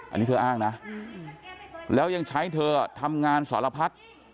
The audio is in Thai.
อันนี้เธออ้างนะแล้วยังใช้เธอทำงานสารพัด